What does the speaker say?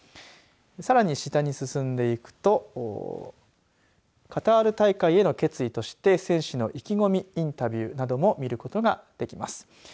さらに、下に進んでいくとカタール大会への決意として選手の意気込みインタビューなども見ることができます。